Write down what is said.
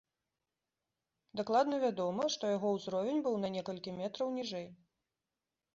Дакладна вядома, што яго ўзровень быў на некалькі метраў ніжэй.